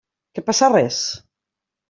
Que passa res?